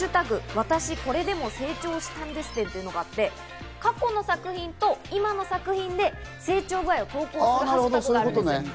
私これでも成長したんです展」というのがあって、過去の作品と今の作品で成長具合を投稿するというハッシュタグがあるんです。